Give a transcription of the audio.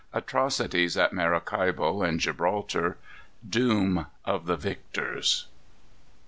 Atrocities at Maracaibo and Gibraltar. Doom of the Victors.